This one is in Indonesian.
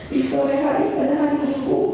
di sore hari pada hari minggu